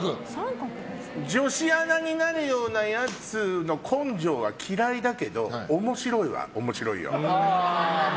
女子アナになるようなやつの根性は嫌いだけど面白いは面白いよ。